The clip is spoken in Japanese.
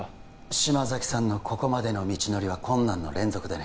嶋崎さんのここまでの道のりは困難の連続でね